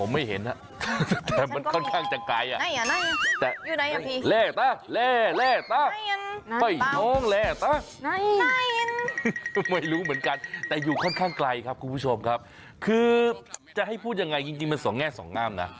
ไม่รู้เหมือนกันแต่อยู่ค่อนข้างไกลครับคุณผู้ชมครับคือจะให้พูดยังไงจริงมันสองแง่สองงามนะ